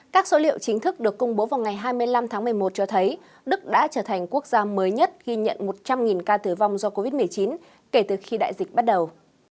các số liệu chính thức được công bố vào ngày hai mươi năm tháng một mươi một cho thấy đức đã trở thành quốc gia mới nhất ghi nhận một trăm linh ca tử vong do covid một mươi chín kể từ khi đại dịch bắt đầu